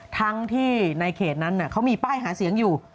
ทั้งที่ในเขตนั้นเขามีป้ายหาเสียงอยู่